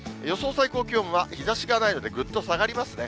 最高気温は、日ざしがないのでぐっと下がりますね。